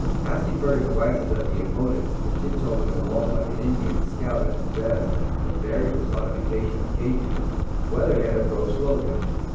Casting furtive glances at the opponents, and tip toeing along like an Indian scout at his best, the very personification of 'caginess,' Weatherhead approached Logan.